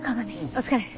お疲れ。